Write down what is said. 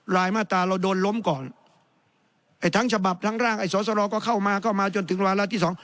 รายมาตราเราโดนล้มก่อนไอ้ทั้งฉบับทั้งร่างไอ้สอสรก็เข้ามาเข้ามาจนถึงวาระที่สอง